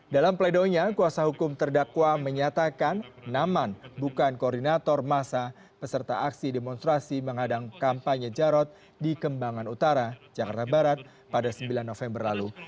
dalam pleidonya kuasa hukum terdakwa menyatakan naman bukan koordinator masa peserta aksi demonstrasi menghadang kampanye jarod di kembangan utara jakarta barat pada sembilan november lalu